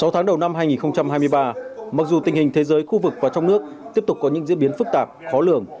sáu tháng đầu năm hai nghìn hai mươi ba mặc dù tình hình thế giới khu vực và trong nước tiếp tục có những diễn biến phức tạp khó lường